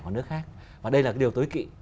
của nước khác và đây là điều tối kỵ